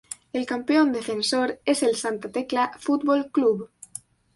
El campeón defensor es el Santa Tecla Fútbol Club.